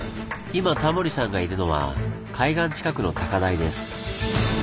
今タモリさんがいるのは海岸近くの高台です。